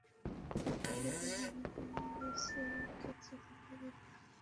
PCB মনে করে, বিসিসিআইকে চাপ দেওয়ার অধিকার তাদের আছে সমঝোতা চুক্তি অনুযায়ী।